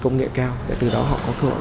công nghệ cao để từ đó họ có cơ hội